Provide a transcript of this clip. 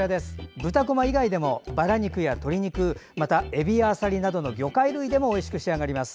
豚こま以外でもバラ肉や鶏肉えびやあさりなどの魚介類でもおいしく仕上がります。